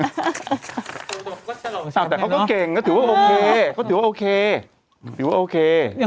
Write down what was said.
คนบอกก็จะหล่อแช่งแต่ก็เก่งก็ถือว่าโอเค